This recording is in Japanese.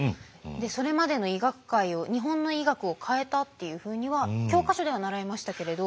それまでの医学界を日本の医学を変えたっていうふうには教科書では習いましたけれど。